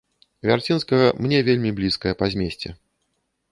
Вярцінскага мне вельмі блізкая па змесце.